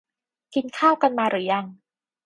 กินข้าวกันมาหรือยัง